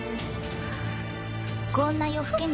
・こんな夜更けに。